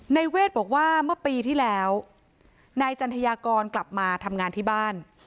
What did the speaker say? เวทบอกว่าเมื่อปีที่แล้วนายจันทยากรกลับมาทำงานที่บ้าน